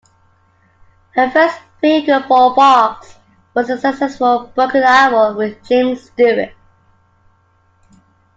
Her first vehicle for Fox was the successful "Broken Arrow" with James Stewart.